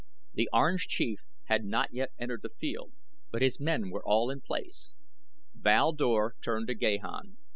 The Orange Chief had not yet entered the field, but his men were all in place. Val Dor turned to Gahan.